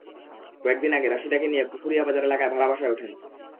কয়েক দিন আগে রাশিদাকে নিয়ে পুখুরিয়া বাজার এলাকায় ভাড়া বাসায় ওঠেন।